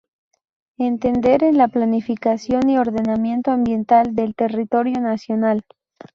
Entender en la planificación y ordenamiento ambiental del territorio nacional.